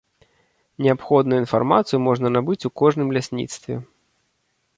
Неабходную інфармацыю можна набыць у кожным лясніцтве.